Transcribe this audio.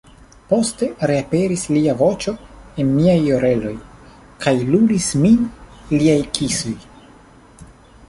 Poste reaperis lia voĉo en miaj oreloj, kaj lulis min liaj kisoj.